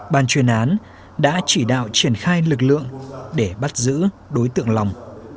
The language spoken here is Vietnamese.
ban chuyên án đã chỉ đạo triển khai lực lượng để bắt giữ đối tượng lòng